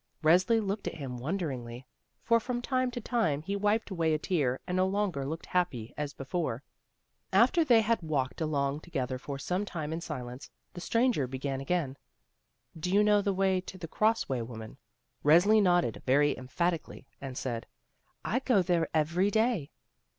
Resli looked at him won deringly, for from time to time he wiped away a tear and no longer looked happy as before. After they had walked along together for some time in silence, the stranger began again: "Do you know the way to the Cross way woman?" Resli nodded very emphatically and said: "I go there every day."